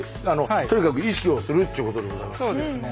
とにかく意識をするっちゅうことでございます。